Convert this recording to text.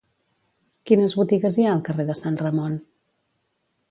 Quines botigues hi ha al carrer de Sant Ramon?